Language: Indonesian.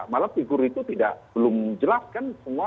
malah figur itu belum jelas kan semua